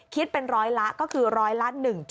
คิดเป็น๑๐๐ละก็คือ๑๐๐ละ๑๙๖